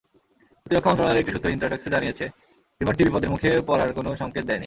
প্রতিরক্ষা মন্ত্রণালয়ের একটি সূত্র ইন্টারফ্যাক্সকে জানিয়েছে, বিমানটি বিপদের মুখে পড়ার কোনো সংকেত দেয়নি।